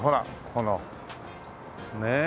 このねえ。